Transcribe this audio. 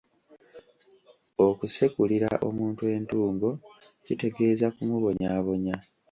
Okusekulira omuntu entungo kitegeeza kumubonyaabonya.